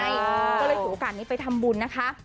ก็เลยถือโอกาสนี้ไปทำบุญนะคะ